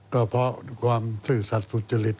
ก็เพราะความซื่อสัตว์สุจริต